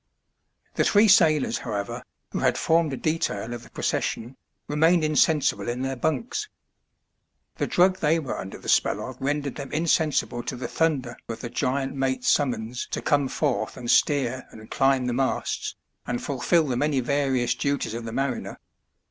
The three sailors, however, who had formed a detail of the procession remained insensible in their bunks. The drug they were under the spell of rendered them insensible to the thunder of the giant mate*s summons to come forth and steer and climb the masts, and fulfil the many various duties of the mariner.